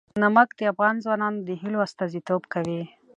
نمک د افغان ځوانانو د هیلو استازیتوب کوي.